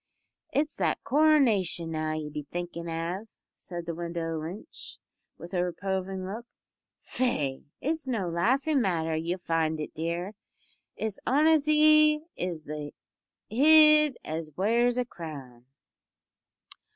"It's that caronation, now, ye'll be thinkin' av?" said the widow Lynch, with a reproving look. "Faix, it's no laughin' matter ye'll find it, dear. It's onaisy is the hid as wears a crown."